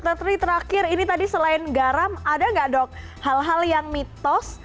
dokter tri terakhir ini tadi selain garam ada nggak dok hal hal yang mitos